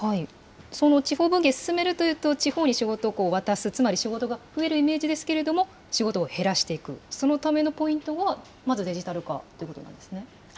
その地方分権進めるというと、地方に仕事を渡す、つまり仕事が増えるイメージですけれども、仕事を減らしていく、そのためのポイントは、まずデジタル化ということなんですね。